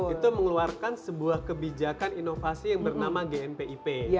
itu mengeluarkan sebuah kebijakan inovasi yang bernama gmpip